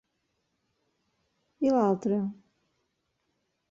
I l'altre!?